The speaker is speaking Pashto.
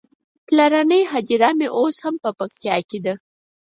پلرنۍ هديره مې اوس هم په پکتيکا کې ده.